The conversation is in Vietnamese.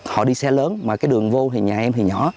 họ đi xe lớn mà cái đường vô thì nhà em thì nhỏ